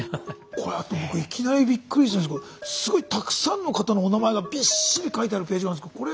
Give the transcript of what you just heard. これいきなりびっくりしたんですけどすごいたくさんの方のお名前がびっしり書いてあるページがあるんですけどこれ。